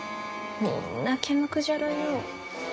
みんな毛むくじゃらよ。